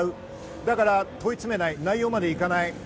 だから問い詰めない、内容までいかない。